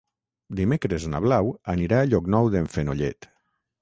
Dimecres na Blau anirà a Llocnou d'en Fenollet.